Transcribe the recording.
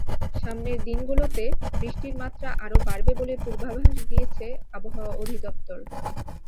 সামনের দিনগুলোতে বৃষ্টির মাত্রা আরও বাড়বে বলে পূর্বাভাস দিয়েছে আবহাওয়া অধিদপ্তর।